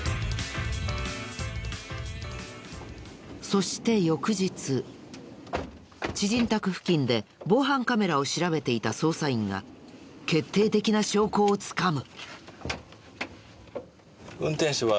そして翌日知人宅付近で防犯カメラを調べていた捜査員が決定的な証拠をつかむ。